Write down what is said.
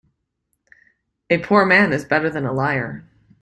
A poor man is better than a liar.